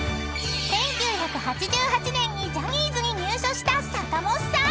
［１９８８年にジャニーズに入所した］